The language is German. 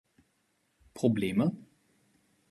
Probleme?